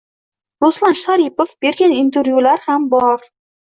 Ruslan Sharipov bergan intervyular ham bor.